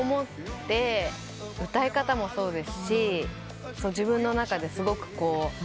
歌い方もそうですし自分の中ですごくこう。